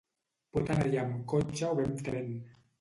Pot anar-hi amb cotxe o bé amb tren.